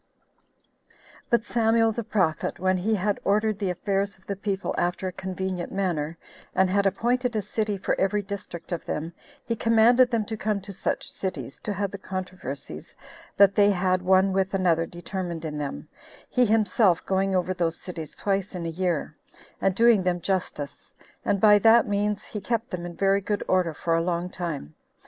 1. But Samuel the prophet, when he had ordered the affairs of the people after a convenient manner, and had appointed a city for every district of them, he commanded them to come to such cities, to have the controversies that they had one with another determined in them, he himself going over those cities twice in a year, and doing them justice; and by that means he kept them in very good order for a long time.